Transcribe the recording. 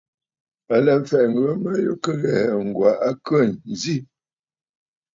À lɛ mfɛ̀ʼɛ̀, ŋghə mə kɨ ghɛ̀ɛ̀, Ŋ̀gwà a khê ǹzi.